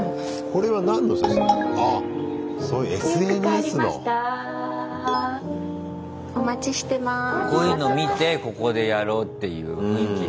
こういうの見てここでやろうっていう雰囲気が。